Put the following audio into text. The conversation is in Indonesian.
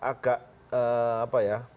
memang agak agak apa ya